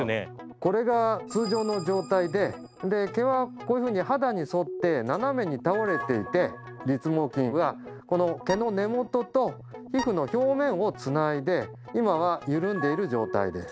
これが通常の状態でで毛はこういうふうに肌に沿って斜めに倒れていて立毛筋はこの毛の根元と皮膚の表面をつないで今はゆるんでいる状態です。